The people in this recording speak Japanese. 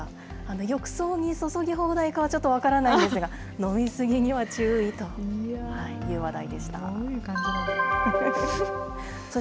浴槽に注ぎ放題かはちょっと分からないんですが、飲み過ぎには注どういう感じなんだろう。